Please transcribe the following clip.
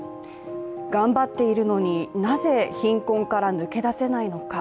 頑張っているのに、なぜ貧困から抜け出せないのか。